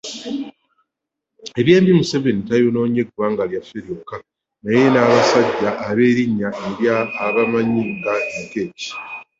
Ebyembi Museveni tayonoonye ggwanga lyaffe lyokka naye n'abasajja abeerinnya era abamanyi nga Lokech.